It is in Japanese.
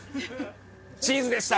チーズでした！